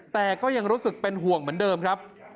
แต่ก็ยังรู้สึกเป็นห่วงเหมือนเดิมครับ